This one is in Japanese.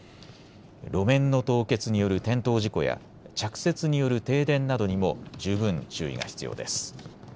路面の凍結による転倒事故や着雪による停電などにも十分注意が必要です。